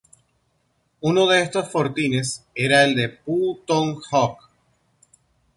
Uno de estos fortines era el de Phu Tong Hog.